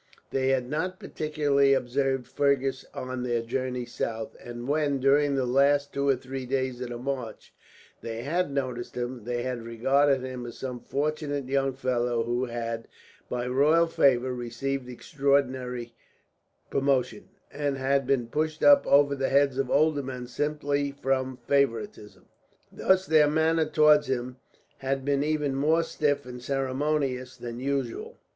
They had not particularly observed Fergus on their journey south; and when, during the last two or three days of the march, they had noticed him, they had regarded him as some fortunate young fellow who had, by royal favour, received extraordinary promotion, and had been pushed up over the heads of older men simply from favouritism. Thus their manner towards him had been even more stiff and ceremonious than usual.